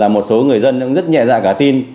một số người dân rất nhẹ dạ cả tin